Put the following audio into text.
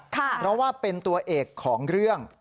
เพราะว่าเป็นตัวเอกของเรื่อง